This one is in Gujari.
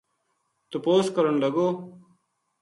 تپوس کرن لگو